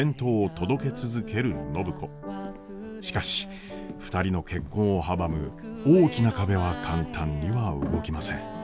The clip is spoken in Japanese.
しかし２人の結婚を阻む大きな壁は簡単には動きません。